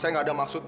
saya gak ada maksud